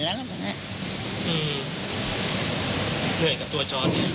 เหนื่อยกับตัวจอร์ต